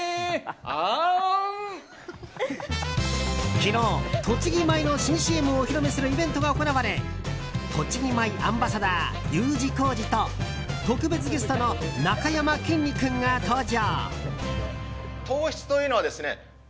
昨日、栃木米の新ＣＭをお披露目するイベントが行われ栃木米アンバサダーＵ字工事と特別ゲストのなかやまきんに君が登場。